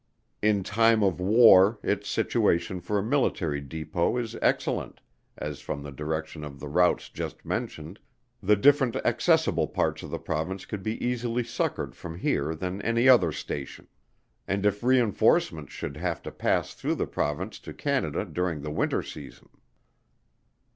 In time of war, its situation for a military depot is excellent, as from the direction of the routes just mentioned, the different accessible parts of the Province could be easier succoured from here than any other station. And if reinforcements should have to pass through the Province to Canada during the winter season.